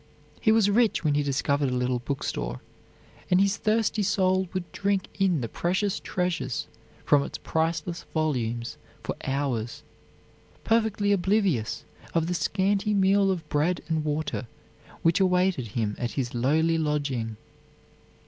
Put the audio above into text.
He was rich when he discovered a little bookstore, and his thirsty soul would drink in the precious treasures from its priceless volumes for hours, perfectly oblivious of the scanty meal of bread and water which awaited him at his lowly lodging.